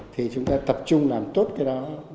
thì chúng ta tập trung làm tốt cái đó